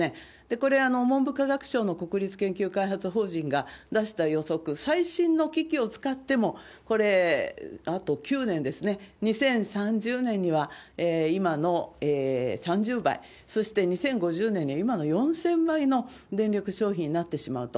これ、文部科学省の国立研究開発法人が出した予測、最新の機器を使っても、これ、あと９年ですね、２０３０年には今の３０倍、そして２０５０年には今の４０００倍の電力消費になってしまうと。